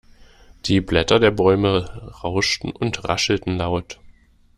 Die Blätter der Bäume rauschten und raschelten laut.